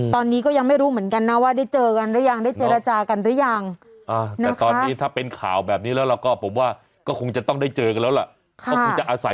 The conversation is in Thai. ก็คือจะอาศัยอยู่เท้านั้นแหละ